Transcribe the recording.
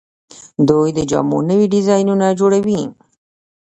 دوی د جامو نوي ډیزاینونه جوړوي.